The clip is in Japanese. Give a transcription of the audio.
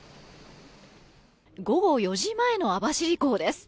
午後４時前の網走港です。